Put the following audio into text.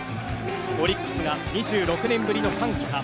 オリックスが２６年ぶりの歓喜か